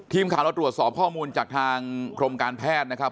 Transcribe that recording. ทีมข่าวเราตรวจสอบข้อมูลจากทางกรมการแพทย์นะครับ